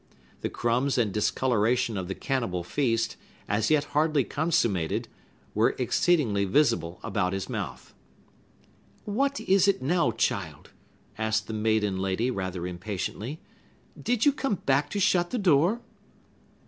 The crumbs and discoloration of the cannibal feast, as yet hardly consummated, were exceedingly visible about his mouth. "What is it now, child?" asked the maiden lady rather impatiently; "did you come back to shut the door?"